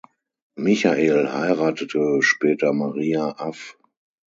Michael heiratete später Maria Aff.